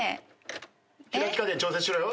開き加減調整しろよ。